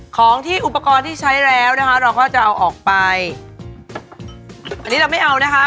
ของที่อุปกรณ์ที่ใช้แล้วนะคะเราก็จะเอาออกไปอันนี้เราไม่เอานะคะ